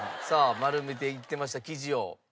さあ丸めていってました生地を。